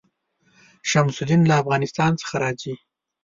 شمس الدین له افغانستان څخه راځي.